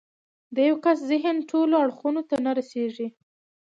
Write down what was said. د يوه کس ذهن ټولو اړخونو ته نه رسېږي.